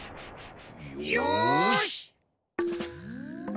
よし！